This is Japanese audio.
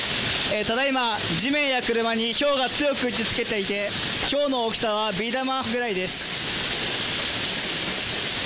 ただいま地面や車にひょうが強く打ちつけていてひょうの大きさはビー玉ぐらいです。